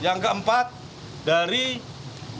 bahwa menyatakan bahwa barang tersebut didapat dari yang bersangkutan